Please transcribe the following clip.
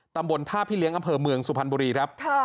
ตำบลท่าพี่เลี้ยงอำเภอเมืองสุพรรณบุรีครับ